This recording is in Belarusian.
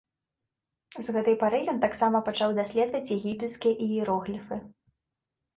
З гэта пары ён таксама пачаў даследаваць егіпецкія іерогліфы.